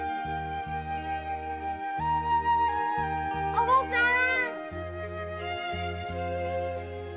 おばさん！